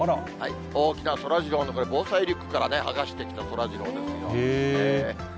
大きなそらジローの防災リュックから剥がしてきたそらジローですよ。